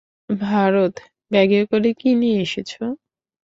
ভারত, ব্যাগে করে কী নিয়ে এসেছ?